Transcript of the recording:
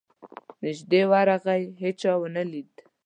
نیژدې ورغی هېچا ونه لید.